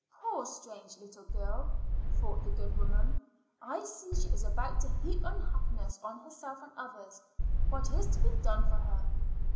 "Poor, strange little girl," thought the good woman. "I see she is about to heap unhappiness on herself and others. What is to be done for her?"